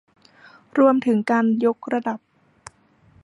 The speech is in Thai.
รวมถึงการยกระดับ